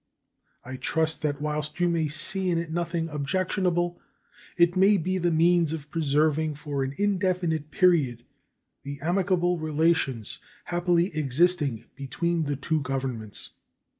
I trust that whilst you may see in it nothing objectionable, it may be the means of preserving for an indefinite period the amicable relations happily existing between the two Governments.